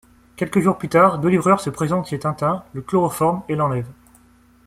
Quelques jours plus tard, deux livreurs se présentent chez Tintin, le chloroforment et l'enlèvent.